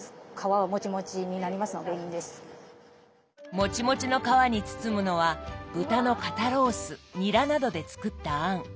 もちもちの皮に包むのは豚の肩ロースニラなどで作った餡。